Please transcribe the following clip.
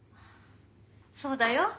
そうだよ。